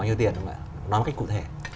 bao nhiêu tiền không ạ nói một cách cụ thể